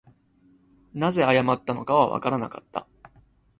何故謝ったのかはわからなかった